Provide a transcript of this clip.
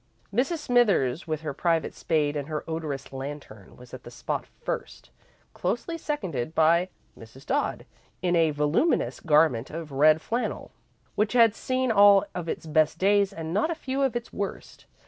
Mrs. Smithers, with her private spade and her odorous lantern, was at the spot first, closely seconded by Mrs. Dodd, in a voluminous garment of red flannel which had seen all of its best days and not a few of its worst.